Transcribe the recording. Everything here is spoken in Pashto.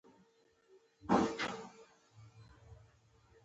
ډېرې ټوکې مو وکړلې.